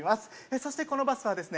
そしてこのバスはですね